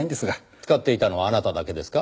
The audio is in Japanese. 使っていたのはあなただけですか？